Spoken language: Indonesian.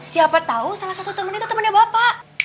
siapa tahu salah satu temen itu temennya bapak